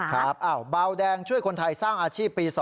ครับเบาแดงช่วยคนไทยสร้างอาชีพปี๒